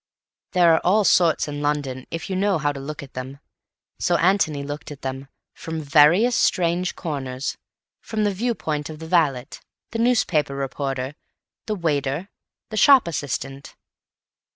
There are all sorts in London if you know how to look at them. So Antony looked at them—from various strange corners; from the view point of the valet, the newspaper reporter, the waiter, the shop assistant.